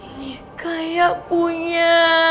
ini kayak punya